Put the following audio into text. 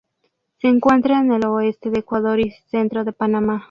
Se encuentra en el oeste de Ecuador y el centro de Panamá.